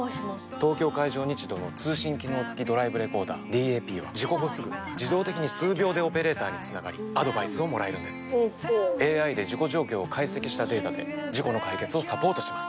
東京海上日動の通信機能付きドライブレコーダーＤＡＰは事故後すぐ自動的に数秒でオペレーターにつながりアドバイスをもらえるんですＡＩで事故状況を解析したデータで事故の解決をサポートします